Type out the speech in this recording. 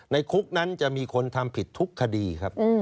ในคุกนั้นจะมีคนทำผิดทุกคดีครับ